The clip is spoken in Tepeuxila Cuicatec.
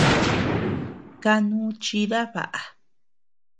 Kanu chida baʼa.